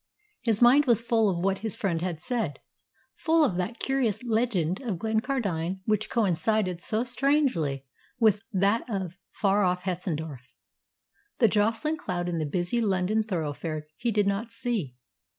His mind was full of what his friend had said full of that curious legend of Glencardine which coincided so strangely with that of far off Hetzendorf. The jostling crowd in the busy London thoroughfare he did not see.